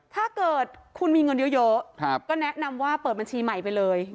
ถ้าเกิดคุณมีเงินเยอะก็แนะนำว่าเปิดบัญชีใหม่ไปเลย